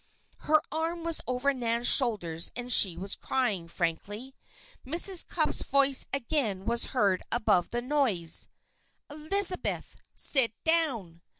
Her arm was over Nan's shoulders and she was crying, frankly. Mrs. Cupp's voice again was heard above the noise. "Elizabeth! Sit down!"